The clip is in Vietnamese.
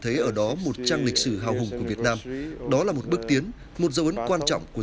thấy ở đó một trang lịch sử hào hùng của việt nam đó là một bước tiến một dấu ấn quan trọng của